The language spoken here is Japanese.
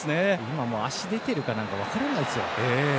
今の足が出ているかなんて分からないですよ。